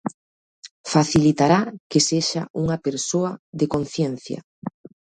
Facilitará que sexa unha persoa de conciencia.